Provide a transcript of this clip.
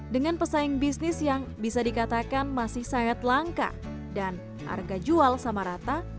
dengan pesaing bisnis yang bisa dikatakan masih sangat langka dan harga jual sama rata